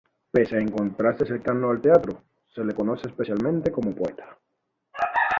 Pese a encontrarse cercano al teatro, se le conoce especialmente como poeta.